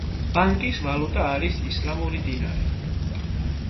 ბანკის ვალუტა არის ისლამური დინარი.